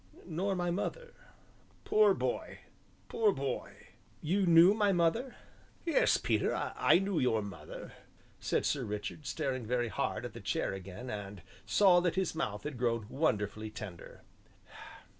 "Nor my mother." "Poor boy poor boy!" "You knew my mother?" "Yes, Peter, I knew your mother," said Sir Richard, staring very hard at the chair again, and I saw that his mouth had grown wonderfully tender.